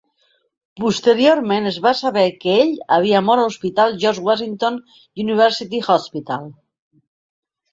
Posteriorment es va saber que ell havia mort a l'hospital George Washington University Hospital.